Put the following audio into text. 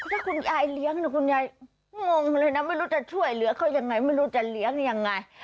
ถ้าคุณยายเลี้ยงคุณยายงงเลยนะไม่รู้จะช่วยเหลือเขายังไงไม่รู้จะเลี้ยงยังไง